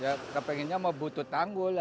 ya kepengennya mau butuh tanggul